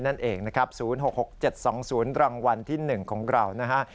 ๐๖๗๒๐รางวัลที่๑คุณคุณก่อนหน้าค่ะ